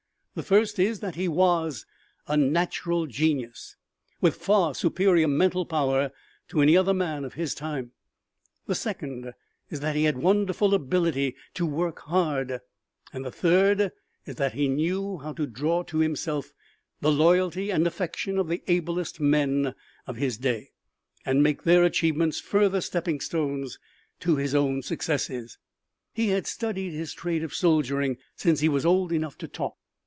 The first is that he was a natural genius, with far superior mental power to any other man of his time; the second is that he had wonderful ability to work hard, and the third is that he knew how to draw to himself the loyalty and affection of the ablest men of his day and make their achievements further stepping stones to his own successes. He had studied his trade of soldiering since he was old enough to talk.